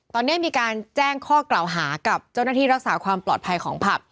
ตอนนี้มีการแจ้งข้อกล่าวหากับเจ้าหน้าที่รักษาความปลอดภัยของผับ